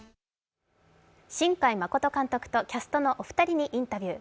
新海誠監督とキャストのお二人にインタビュー。